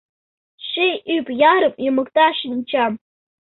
Ший ӱп ярым йымыкта шинчам.